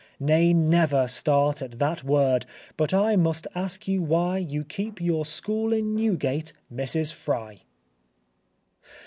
Nay, never Start at that word! But I must ask you why You keep your school in Newgate, Mrs. Fry.